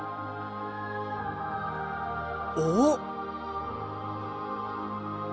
おお！